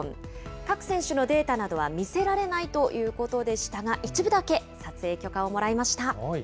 各選手のデータなどは見せられないということでしたが、一部だけ撮影許可をもらいました。